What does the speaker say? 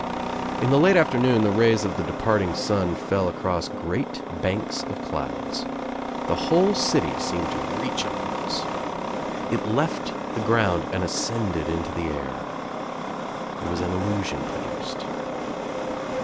In the late afternoon the rays of the departing sun fell across great banks of clouds. The whole city seemed to reach upwards. It left the ground and ascended into the air. There was an illusion produced.